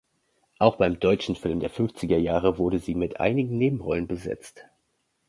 Auch beim deutschen Film der fünfziger Jahre wurde sie mit einigen Nebenrollen besetzt.